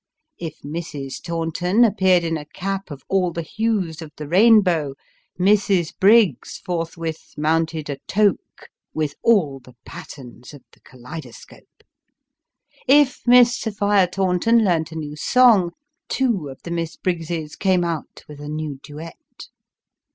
If Mrs. Taunton appeared in a cap of all the hues of the rainbow, Mrs. Briggs forthwith mounted a toque, with all the patterns of the kaleidoscope. If Miss Sophia Taunton learnt a new song, two of the Miss Briggses came out with a new duet.